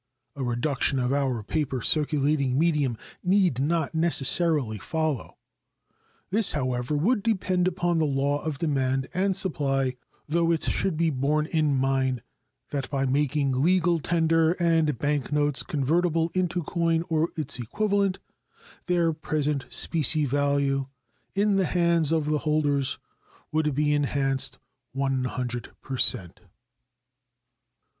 A reduction of our paper circulating medium need not necessarily follow. This, however, would depend upon the law of demand and supply, though it should be borne in mind that by making legal tender and bank notes convertible into coin or its equivalent their present specie value in the hands of their holders would be enhanced 100 per cent.